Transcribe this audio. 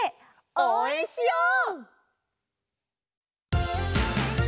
おうえんしよう！